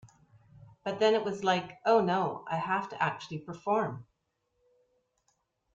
But then it was like, 'Oh no, I have to actually perform.